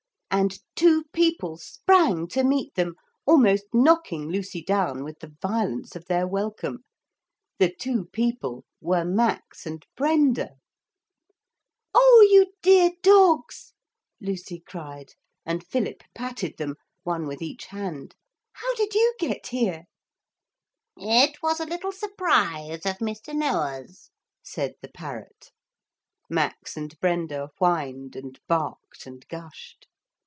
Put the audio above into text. And two people sprang to meet them, almost knocking Lucy down with the violence of their welcome. The two people were Max and Brenda. [Illustration: He induced them to build him a temple of solid gold.] 'Oh, you dear dogs,' Lucy cried, and Philip patted them, one with each hand, 'how did you get here?' 'It was a little surprise of Mr. Noah's,' said the parrot. Max and Brenda whined and barked and gushed.